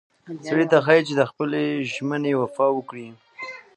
سړي ته ښایي چې د خپلې ژمنې وفا وکړي.